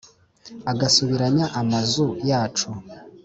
agasubiranya amazu yacu